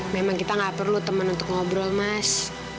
memang kita gak perlu temen untuk ngobrol mas